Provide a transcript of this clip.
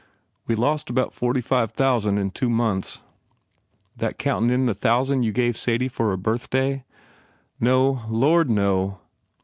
"We lost about forty five thousand in two months." "That countin in the thousand you gave Sadie for her birthday?" "No Lord, no!"